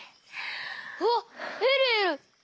あっえるえる！